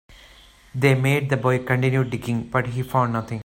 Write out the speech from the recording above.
They made the boy continue digging, but he found nothing.